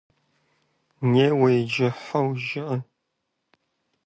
Неуэ иджы, «хьо» жыӀэ.